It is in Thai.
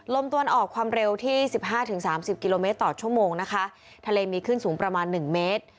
ตะวันออกความเร็วที่สิบห้าถึงสามสิบกิโลเมตรต่อชั่วโมงนะคะทะเลมีขึ้นสูงประมาณหนึ่งเมตร